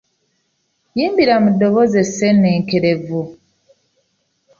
Yimbira mu ddoboozi esseenneekerevu,